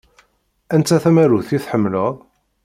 Anta tamarut i tḥemmleḍ?